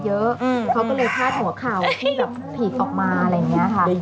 เยอะเขาก็เลยพาดหัวข่าวที่แบบผิดออกมาอะไรอย่างนี้ค่ะ